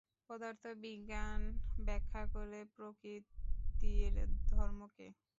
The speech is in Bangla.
পদার্থবিজ্ঞান ব্যাখ্যা করে প্রকৃতির ধর্মকে।